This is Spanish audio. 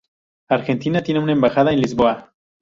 Argentina tiene una embajada en Lisboa.